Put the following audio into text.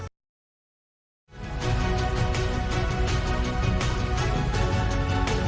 โปรดติดตามตอนต่อไป